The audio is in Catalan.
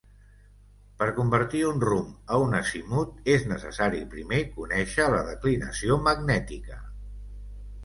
Per convertir un rumb a un azimut és necessari primer conèixer la declinació magnètica.